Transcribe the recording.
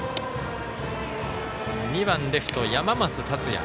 ２番、レフト、山増達也。